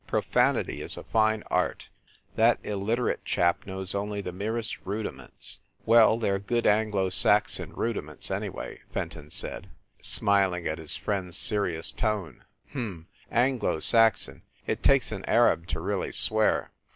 Profanity is a fine art! That illiterate chap knows only the merest rudi ments." "Well, they re good Anglo Saxon rudiments, any way," Fenton said, smiling at his friend s serious tone. "H m! Anglo Saxon! It takes an Arab to really swear.